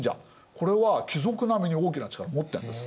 これは貴族並みに大きな力を持ってるんです。